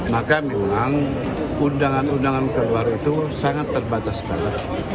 maka memang undangan undangan keluar itu sangat terbatas sekali